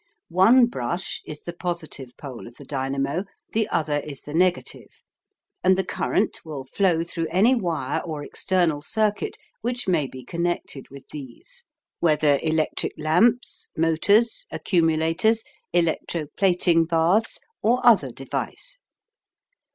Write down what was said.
One brush is the positive pole of the dynamo, the other is the negative, and the current will flow through any wire or external circuit which may be connected with these, whether electric lamps, motors, accumulators, electro plating baths, or other device.